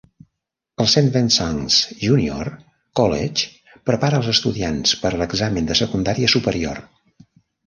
El Saint Vincent's Junior College prepara els estudiants per a l'Examen de Secundària Superior.